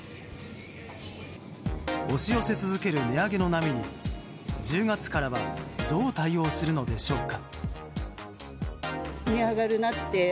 押し寄せ続ける値上げの波に１０月からはどう対応するのでしょうか。